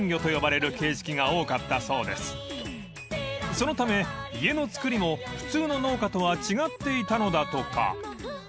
［そのため家の造りも普通の農家とは違っていたのだとか］